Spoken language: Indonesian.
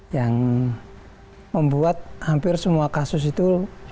yang membuat hampir semua kasus itu